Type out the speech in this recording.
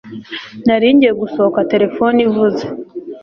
Nari ngiye gusohoka telefone ivuze